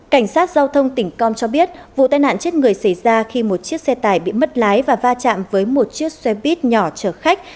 cảnh sát giao thông tỉnh con cho biết vụ tai nạn chết người xảy ra khi một chiếc xe tải bị mất lái và va chạm với một chiếc xe buýt nhỏ chở khách